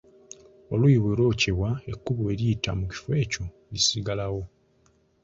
Oluyiira bwe lwokyebwa ekkubo eriyita mu kifo ekyo lisigalawo.